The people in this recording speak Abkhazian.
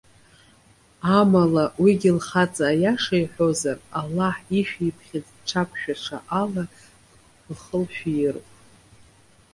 Амала уигьы, лхаҵа аиаша иҳәозар, Аллаҳ ишәиԥхьыӡ дшақәшәаша ала лхы лшәиироуп.